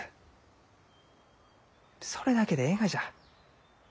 それだけでえいがじゃ。